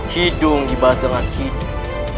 hidung dibalas dengan hidung